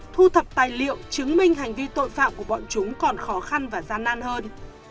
thu thập tài liệu chứng minh hành vi tội phạm của bọn chúng còn khó khăn và gian nan hơn